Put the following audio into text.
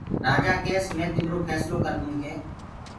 رآجآ ڪيس مي تِمرو ڦيسلو ڪردونٚ ڪي